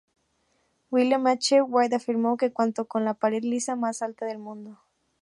William H. Whyte afirmó que cuenta con la pared lisa más alta del mundo.